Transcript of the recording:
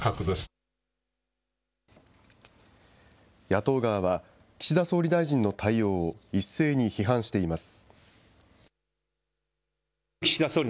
野党側は、岸田総理大臣の対応を一斉に批判しています。